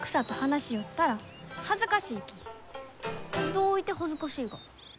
どういて恥ずかしいが？